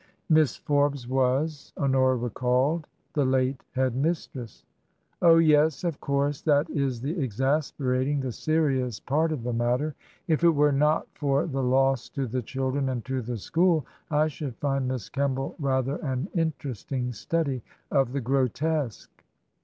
[Miss Forbes was, Honora recalled, the late Head mistress.] " Oh, yes ! Of course that is the exasperating, the serious part of the matter. If it were not for the loss to the children and to the school, I should find Miss Kem ball rather an interesting study of the grotesque."